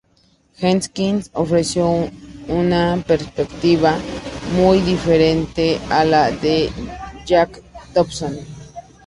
Jenkins ofreció una perspectiva muy diferente a la de Jack Thompson.